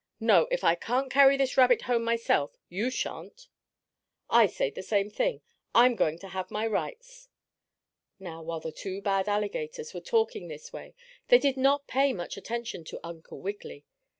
No, if I can't carry this rabbit home myself, you shan't!" "I say the same thing. I'm going to have my rights." Now, while the two bad alligators were talking this way they did not pay much attention to Uncle Wiggily.